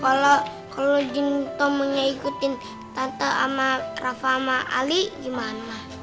kalau kalau jin tomangnya ikutin tante sama rafa sama ali gimana